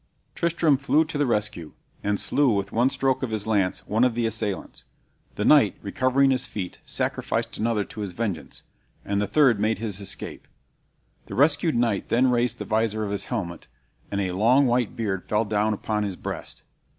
Tristram flew to the rescue, and slew with one stroke of his lance one of the assailants. The knight, recovering his feet, sacrificed another to his vengeance, and the third made his escape. The rescued knight then raised the visor of his helmet, and a long white beard fell down upon his breast.